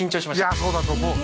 いやそうだと思う。